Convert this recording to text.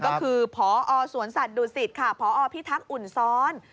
ก็คือพอสวนสัตว์ดุสิตค่ะพอพิทักษ์อุ่นซ้อน